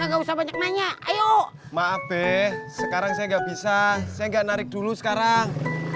gak usah banyak nanya ayo maaf deh sekarang saya nggak bisa saya nggak narik dulu sekarang